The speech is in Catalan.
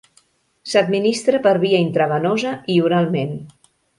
S'administra per via intravenosa i oralment.